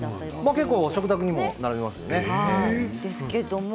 結構、食卓に並びますね。